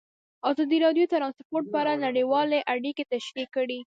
ازادي راډیو د ترانسپورټ په اړه نړیوالې اړیکې تشریح کړي.